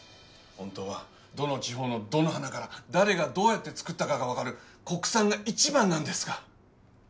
ホントはどの地方のどの花から誰がどうやって作ったかが分かる国産が一番なんですが。